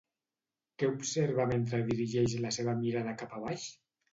Què observa mentre dirigeix la seva mirada cap a baix?